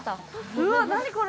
うわっ何これ。